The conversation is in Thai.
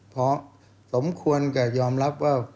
เพราะสมควรจะยอมรับว่า